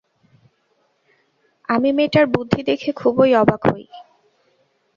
আমি মেয়েটার বুদ্ধি দেখে খুবই অবাক হই।